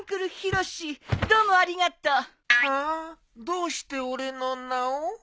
どうして俺の名を。